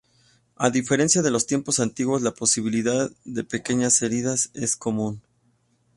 A diferencia de los tiempos antiguos, la posibilidad de pequeñas heridas es común.